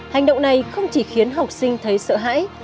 hành động này không chỉ khiến học sinh thấy sợ hãi